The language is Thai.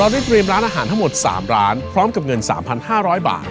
ได้เตรียมร้านอาหารทั้งหมด๓ร้านพร้อมกับเงิน๓๕๐๐บาท